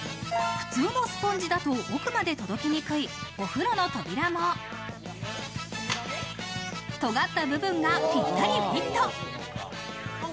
普通のスポンジだと奥まで届きにくいお風呂の扉のとがった部分が、ぴったりフィット。